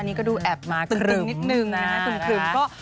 อันนี้ก็ดูแอบมาครึ่มนิดนึงนะครับ